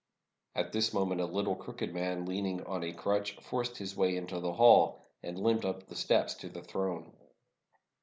At this moment a little crooked man, leaning on a crutch, forced his way into the hall, and limped up to the steps of the throne.